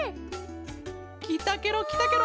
きたケロきたケロ！